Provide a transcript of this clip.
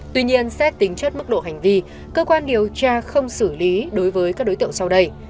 tuy nhiên xét tính chất mức độ hành vi cơ quan điều tra không xử lý đối với các đối tượng sau đây